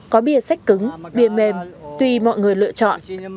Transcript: có bia sách cứng bia mềm tuy mọi người lựa chọn